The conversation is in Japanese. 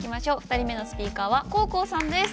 ２人目のスピーカーは黄皓さんです。